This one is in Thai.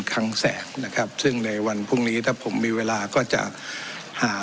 ครั้งแรกนะครับซึ่งในวันพรุ่งนี้ถ้าผมมีเวลาก็จะหา